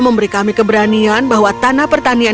memberi kami keberanian bahwa tanah pertanian